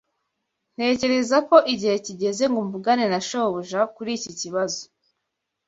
Ntekereza ko igihe kigeze ngo mvugane na shobuja kuri iki kibazo.